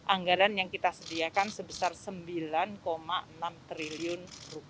anggaran yang kita sediakan sebesar rp sembilan enam triliun